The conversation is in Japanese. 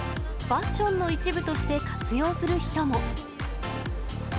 ファッションの一部として活用する人も。